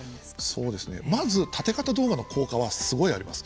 そうですねまずタテ型動画の効果はすごいあります。